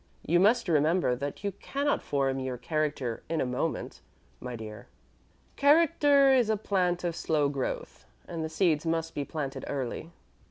"You must remember that you cannot form your character in a moment, my dear. Character is a plant of slow growth, and the seeds must be planted early."